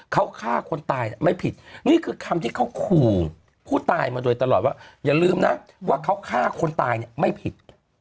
เขาฆ่าคนตายไม่ผิดนี่คือคำที่เขาขู่ผู้ตายมาโดยตลอดว่าอย่าลืมนะว่าเขาฆ่าคนตายเนี่ยไม่ผิด